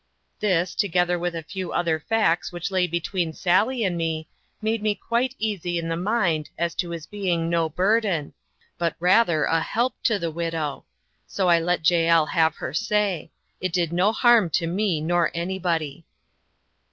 This, together with a few other facts which lay between Sally and me, made me quite easy in the mind as to his being no burthen, but rather a help to the widow so I let Jael have her say; it did no harm to me nor anybody.